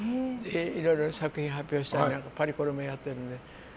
いろいろ作品発表したりパリコレもやってるので。